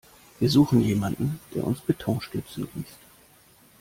Wir suchen jemanden, der uns Betonstützen gießt.